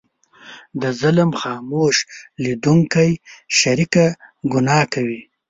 د ظلم خاموش لیدونکی شریکه ګناه کوي.